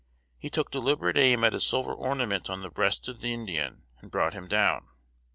He took deliberate aim at a silver ornament on the breast of the Indian, and brought him down.